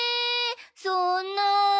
そんなぁ。